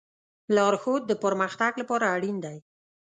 لارښود د پرمختګ لپاره اړین دی.